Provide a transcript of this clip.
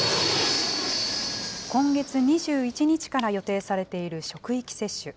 今月２１日から予定されている職域接種。